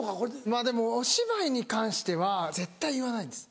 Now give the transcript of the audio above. まぁでもお芝居に関しては絶対言わないです。